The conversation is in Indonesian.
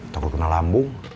takut kena lambung